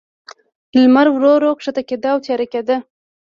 لمر ورو، ورو کښته کېده، او تیاره کېده.